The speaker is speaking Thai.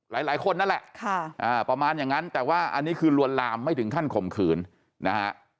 หลายคนนั่นแหละประมาณอย่างนั้นแต่ว่าอันนี้คือลวนลามไม่ถึงขั้นข่มขืนนะฮะ